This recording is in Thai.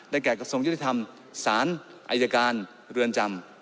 แก่กระทรงยุติธรรมศาลอายการเรือนจำ